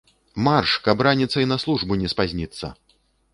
Марш, каб раніцай на службу не спазніцца!